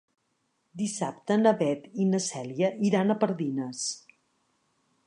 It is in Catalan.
Dissabte na Beth i na Cèlia iran a Pardines.